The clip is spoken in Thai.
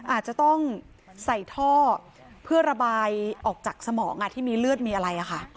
อาจจะต้องใส่ท่อเพื่อระบายออกจากสมองที่มีเลือดมีอะไรค่ะ